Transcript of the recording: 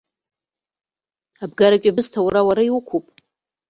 Абгаратәи абысҭа аура уара иуқәуп.